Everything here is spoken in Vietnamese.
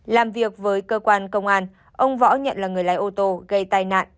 làm việc với cơ quan công an ông võ nhận là người lái ô tô gây tai nạn